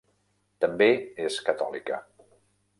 També és catòlica.